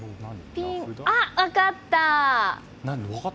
あ、分かった！